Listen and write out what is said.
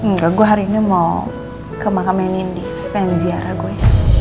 nggak gue hari ini mau ke makamenin di penziara gue